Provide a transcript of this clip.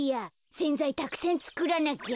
せんざいたくさんつくらなきゃ。